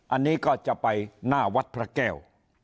อันนี้ก็จะไปหน้าวัดพระแก้ว